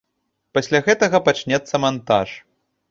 Пасля гэтага пачнецца мантаж.